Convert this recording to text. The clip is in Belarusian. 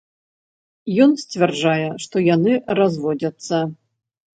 Ён сцвярджае, што яны разводзяцца.